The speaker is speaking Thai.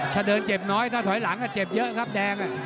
ถ้าเดินเจ็บน้อยถ้าถอยหลังก็เจ็บเยอะครับแดง